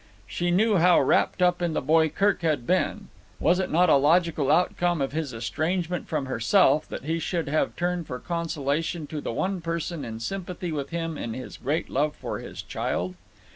She knew how wrapped up in the boy Kirk had been. Was it not a logical outcome of his estrangement from herself that he should have turned for consolation to the one person in sympathy with him in his great love for his child?